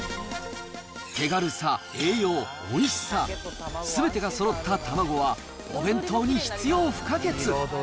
手軽さ、栄養、おいしさ、すべてがそろった卵は、お弁当に必要不可欠。